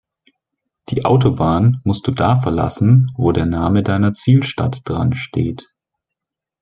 Die Autobahn musst du da verlassen, wo der Name deiner Zielstadt dran steht.